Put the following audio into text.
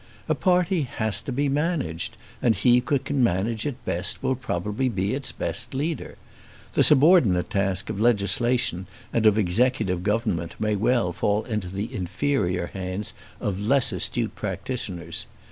A party has to be managed, and he who can manage it best, will probably be its best leader. The subordinate task of legislation and of executive government may well fall into the inferior hands of less astute practitioners.